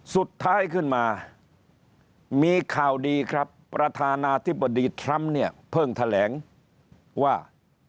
สุดท้ายขึ้นมามีข่าวดีครับประธานาธิบดีทรัมป์เนี่ยเพิ่งแถลงว่า